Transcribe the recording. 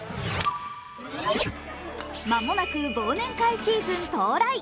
間もなく忘年会シーズン到来。